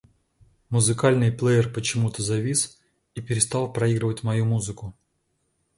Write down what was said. Музыкальный плеер почему-то завис и перестал проигрывать мою музыку.